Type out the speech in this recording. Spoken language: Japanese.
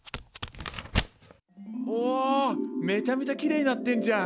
おめちゃめちゃキレイになってんじゃん。